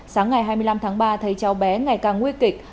sáng ngày hai mươi năm tháng ba thấy cháu bé ngày càng nguy kịch